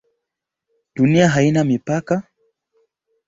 Dunia haina mipaka?